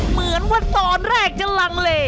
เหมือนว่าตอนแรกจะลังเล